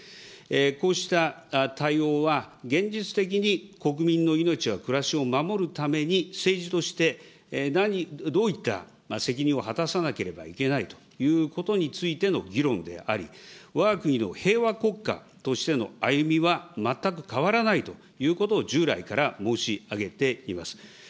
こうした対応は現実的に国民の命や暮らしを守るために政治として何、どういった責任を果たさなければいけないということについての議論であり、わが国の平和国家としての歩みは全く変わらないということを、従来から申し上げています。